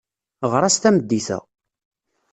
Ɣer-as tameddit-a.